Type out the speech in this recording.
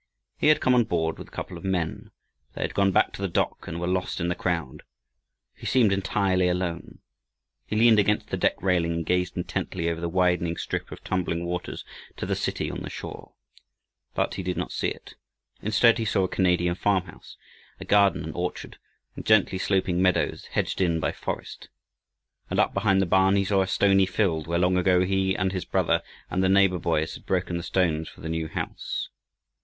He had come on board with a couple of men, but they had gone back to the dock, and were lost in the crowd. He seemed entirely alone. He leaned against the deck railing and gazed intently over the widening strip of tumbling waters to the city on the shore. But he did not see it. Instead, he saw a Canadian farmhouse, a garden and orchard, and gently sloping meadows hedged in by forest. And up behind the barn he saw a stony field, where long ago he and his brother and the neighbor boys had broken the stones for the new house.